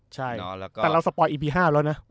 ใช่แต่เราสปอยอีพี๕แล้วนะ